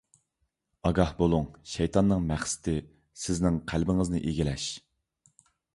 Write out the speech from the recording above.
ئاگاھ بولۇڭ! شەيتاننىڭ مەقسىتى — سىزنىڭ قەلبىڭىزنى ئىگىلەش.